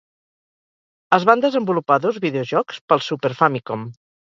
Es van desenvolupar dos videojocs pel "Super Famicom".